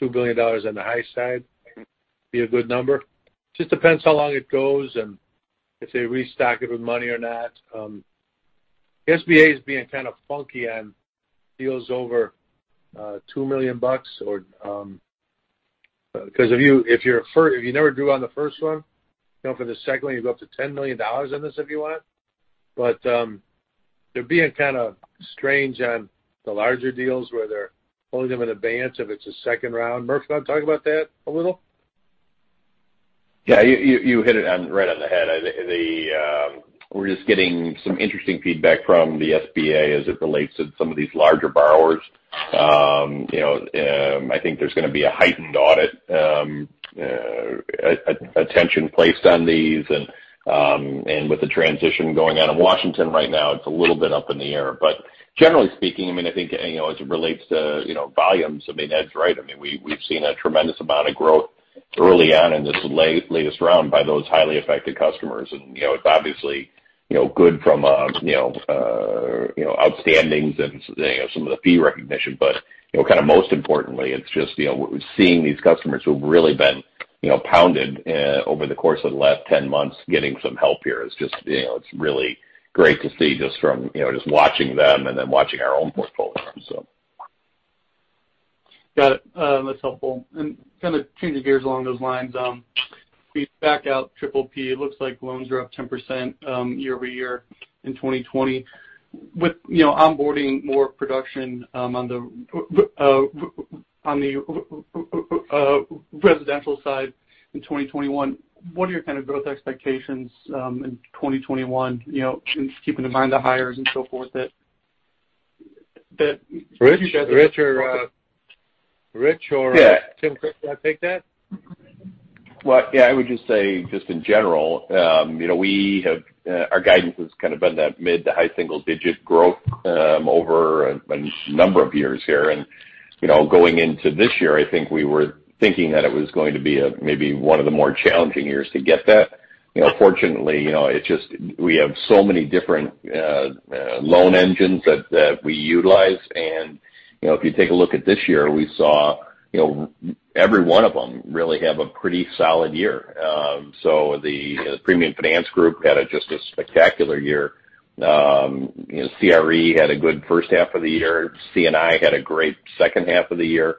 $2 billion on the high side be a good number. Just depends how long it goes and if they restock it with money or not. SBA is being kind of funky on deals over $2 million. If you never drew on the first one, for the second one, you go up to $10 million on this if you want. They're being kind of strange on the larger deals where they're holding them in advance if it's a second round. Murph, you want to talk about that a little? Yeah, you hit it right on the head. We're just getting some interesting feedback from the SBA as it relates to some of these larger borrowers. I think there's going to be a heightened audit attention placed on these, and with the transition going on in Washington right now, it's a little bit up in the air. Generally speaking, I think as it relates to volumes, Ed's right. We've seen a tremendous amount of growth early on in this latest round by those highly affected customers. It's obviously good from outstandings and some of the fee recognition. Most importantly, it's just seeing these customers who've really been pounded over the course of the last 10 months getting some help here. It's really great to see just from just watching them and then watching our own portfolio. Got it. That's helpful. Kind of changing gears along those lines. If we back out PPP, it looks like loans are up 10% year-over-year in 2020. With onboarding more production on the residential side in 2021, what are your kind of growth expectations in 2021, keeping in mind the hires and so forth? Rich or Tim, Chris, do you want to take that? I would just say, just in general our guidance has been that mid to high single-digit growth over a number of years here. Going into this year, I think we were thinking that it was going to be maybe one of the more challenging years to get that. Fortunately, we have so many different loan engines that we utilize. If you take a look at this year, we saw every one of them really have a pretty solid year. The Premium Finance group had just a spectacular year. CRE had a good first half of the year. C&I had a great second half of the year.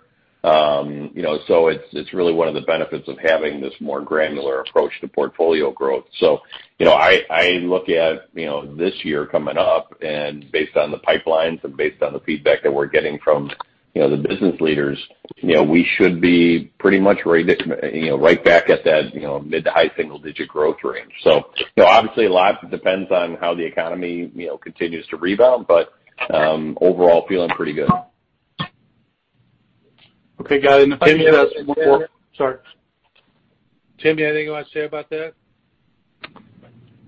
It's really one of the benefits of having this more granular approach to portfolio growth. I look at this year coming up, and based on the pipelines and based on the feedback that we're getting from the business leaders, we should be pretty much right back at that mid to high single-digit growth range. Obviously, a lot depends on how the economy continues to rebound. Overall, feeling pretty good. Okay, got it. If I could just ask one more. Sorry. Tim, anything you want to say about that?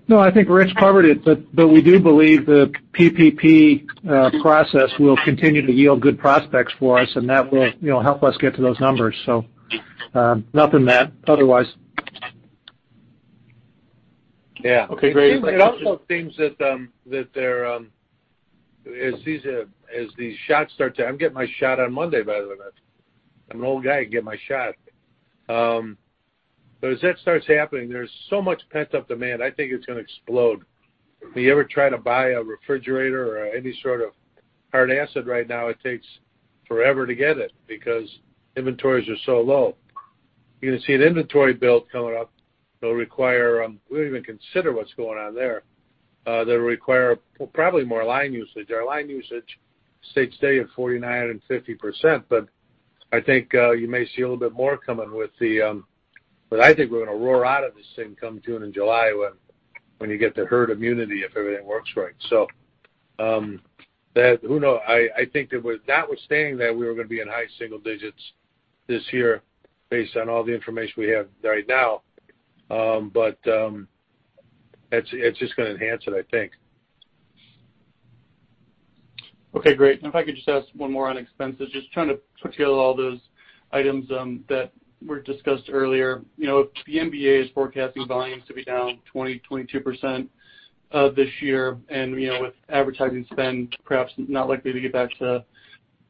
No, I think Rich covered it. We do believe the PPP process will continue to yield good prospects for us, and that will help us get to those numbers. Nothing otherwise. Yeah. Okay, great. It also seems that as these shots start, I'm getting my shot on Monday, by the way. I'm an old guy, getting my shot. As that starts happening, there's so much pent-up demand, I think it's going to explode. If you ever try to buy a refrigerator or any sort of hard asset right now, it takes forever to get it because inventories are so low. You're going to see an inventory build coming up. We don't even consider what's going on there. That'll require probably more line usage. Our line usage sits today at 49% and 50%. I think you may see a little bit more coming with. I think we're going to roar out of this thing come June and July when you get the herd immunity, if everything works right. Who knows? I think that with that, we're saying that we were going to be in high single digits this year based on all the information we have right now. It's just going to enhance it, I think. Okay, great. If I could just ask one more on expenses, just trying to put together all those items that were discussed earlier. The MBA is forecasting volumes to be down 20%-22% this year, and with advertising spend perhaps not likely to get back to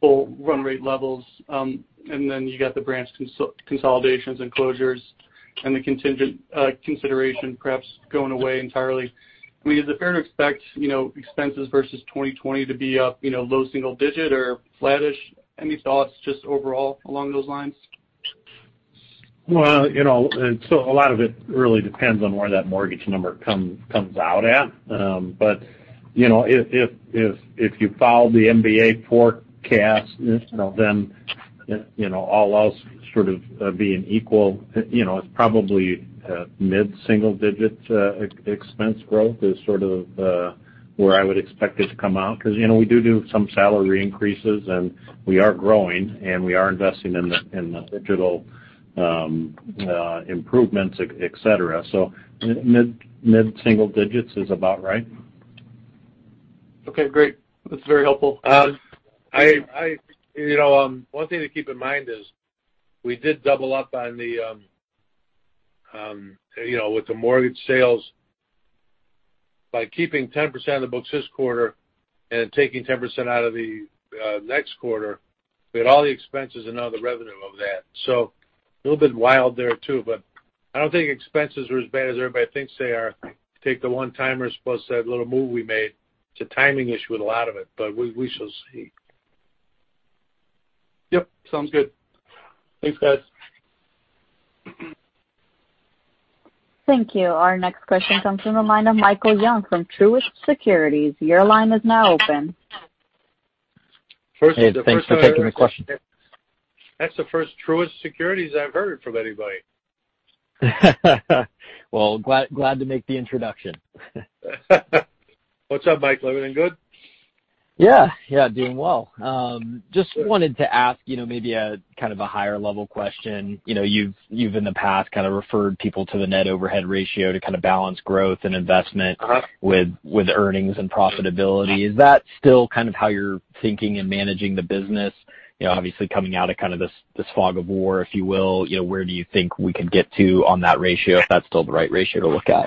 full run rate levels. Then you got the branch consolidations and closures and the contingent consideration perhaps going away entirely. I mean, is it fair to expect expenses versus 2020 to be up low single digit or flattish? Any thoughts just overall along those lines? A lot of it really depends on where that mortgage number comes out at. If you follow the MBA forecast, then all else sort of being equal, it's probably mid-single digits expense growth is sort of where I would expect it to come out. We do some salary increases, and we are growing, and we are investing in the digital improvements, et cetera. Mid-single digits is about right. Okay, great. That's very helpful. One thing to keep in mind is we did double up with the mortgage sales by keeping 10% of the books this quarter and taking 10% out of the next quarter. We had all the expenses and none of the revenue of that. A little bit wild there, too, but I don't think expenses are as bad as everybody thinks they are. Take the one-timers plus that little move we made. It's a timing issue with a lot of it, but we shall see. Yep, sounds good. Thanks, guys. Thank you. Our next question comes from the line of Michael Young from Truist Securities. Your line is now open. Hey, thanks for taking the question. That's the first Truist Securities I've heard from anybody. Well, glad to make the introduction. What's up, Mike? Everything good? Yeah. Doing well. Just wanted to ask maybe kind of a higher-level question. You've in the past kind of referred people to the net overhead ratio to kind of balance growth and investment with earnings and profitability. Is that still kind of how you're thinking and managing the business? Obviously coming out of kind of this fog of war, if you will, where do you think we could get to on that ratio, if that's still the right ratio to look at?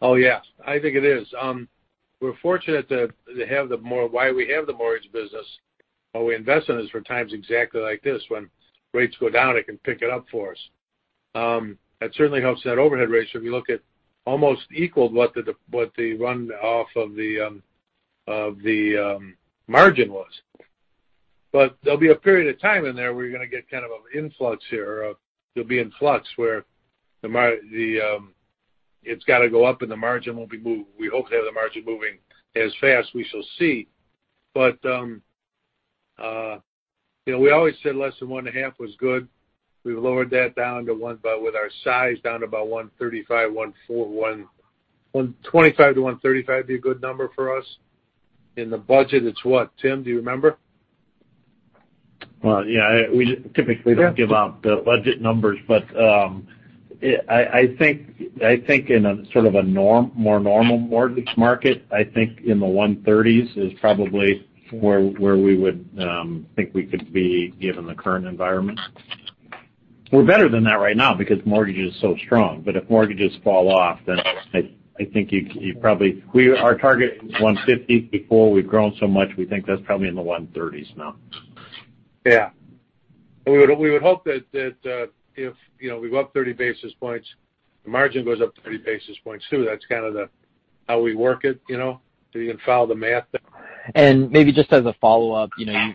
Oh, yeah. I think it is. We're fortunate that why we have the mortgage business, why we invest in it, is for times exactly like this. When rates go down, it can pick it up for us. That certainly helps that overhead ratio if you look at almost equal to what the run off of the margin was. There'll be a period of time in there where you're going to get kind of an influx here. There'll be an influx where it's got to go up, and the margin will be moved. We hope to have the margin moving as fast. We shall see. We always said less than one and a half was good. We've lowered that down to one, but with our size down to about 135, would 125-135 be a good number for us? In the budget, it's what, Tim, do you remember? Well, yeah. We typically don't give out the budget numbers, but I think in a sort of a more normal mortgage market, I think in the 130s is probably where we would think we could be given the current environment. We're better than that right now because mortgage is so strong. If mortgages fall off, then I think Our target is 150. Before we've grown so much, we think that's probably in the 130s now. Yeah. We would hope that if we go up 30 basis points, the margin goes up 30 basis points, too. That's kind of how we work it. You can follow the math there. Maybe just as a follow-up,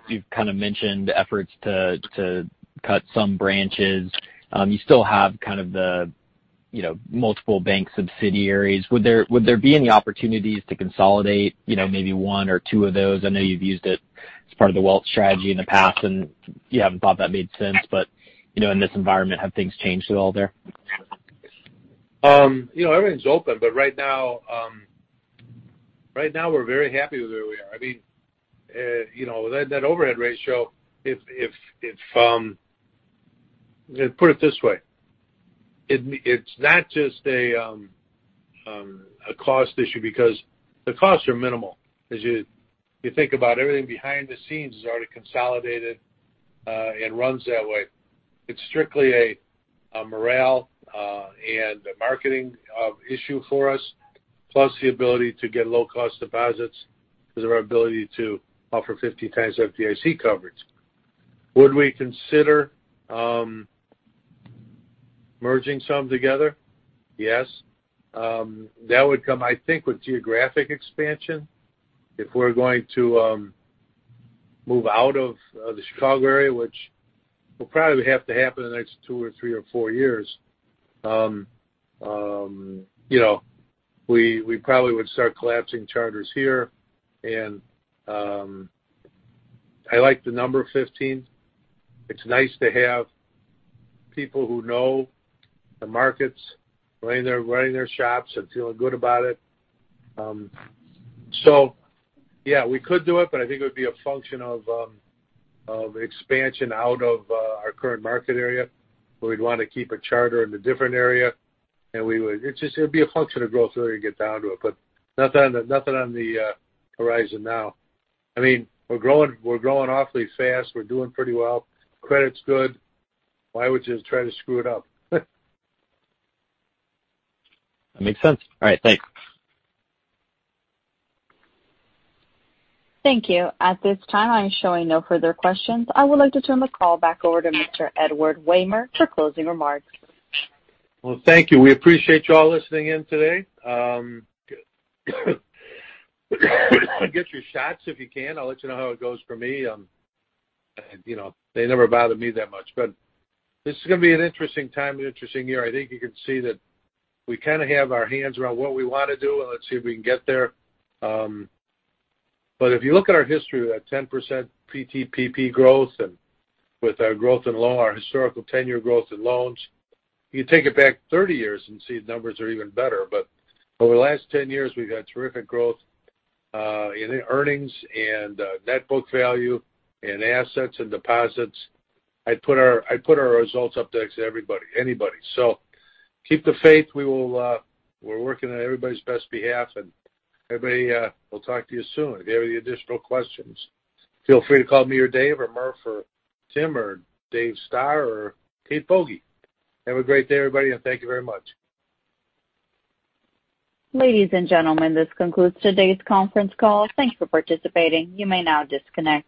you've kind of mentioned efforts to cut some branches. You still have kind of the multiple bank subsidiaries. Would there be any opportunities to consolidate maybe one or two of those? I know you've used it as part of the wealth strategy in the past, and you haven't thought that made sense. In this environment, have things changed at all there? Everything's open, but right now we're very happy with where we are. That overhead ratio, put it this way, it's not just a cost issue because the costs are minimal. As you think about everything behind the scenes is already consolidated and runs that way. It's strictly a morale and a marketing issue for us, plus the ability to get low-cost deposits because of our ability to offer 15x FDIC coverage. Would we consider merging some together? Yes. That would come, I think, with geographic expansion. If we're going to move out of the Chicago area, which will probably have to happen in the next two or three or four years, we probably would start collapsing charters here. I like the number 15. It's nice to have people who know the markets running their shops and feeling good about it. Yeah, we could do it, but I think it would be a function of expansion out of our current market area, where we'd want to keep a charter in a different area. It'd be a function of growth really, to get down to it, but nothing on the horizon now. We're growing awfully fast. We're doing pretty well. Credit's good. Why would you try to screw it up? That makes sense. All right. Thanks. Thank you. At this time, I'm showing no further questions. I would like to turn the call back over to Mr. Edward Wehmer for closing remarks. Well, thank you. We appreciate you all listening in today. Get your shots if you can. I'll let you know how it goes for me. They never bothered me that much, but this is going to be an interesting time and interesting year. I think you can see that we kind of have our hands around what we want to do, and let's see if we can get there. If you look at our history, we've had 10% PTPP growth and with our growth in loan, our historical 10-year growth in loans. You take it back 30 years and see the numbers are even better. Over the last 10 years, we've had terrific growth in earnings and net book value in assets and deposits. I'd put our results up next to anybody. Keep the faith. We're working on everybody's best behalf, and everybody, we'll talk to you soon. If you have any additional questions, feel free to call me or Dave or Murph or Tim or Dave Stoehr or Kate Boege. Have a great day, everybody, and thank you very much. Ladies and gentlemen, this concludes today's conference call. Thank you for participating. You may now disconnect.